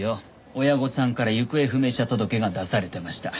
親御さんから行方不明者届が出されてました。